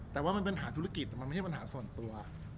แต่ว่ามันปัญหาธุรกิจมันไม่ใช่ปัญหาส่วนตัว